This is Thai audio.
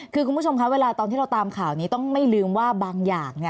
คือคุณผู้ชมคะเวลาตอนที่เราตามข่าวนี้ต้องไม่ลืมว่าบางอย่าง